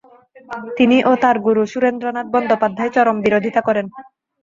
তিনি ও তার গুরু সুরেন্দ্রনাথ বন্দ্যোপধ্যায় চরম বিরোধীতা করেন।